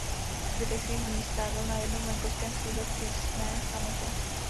Zbytek svých dní strávil na jednom venkovském sídle v přísné samotě.